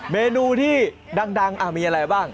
เมนูที่ดังมีอะไรบ้าง